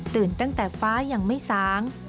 ตั้งแต่ฟ้ายังไม่สาง